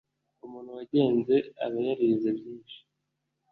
Umuntu wagenze aba yarize byinshi,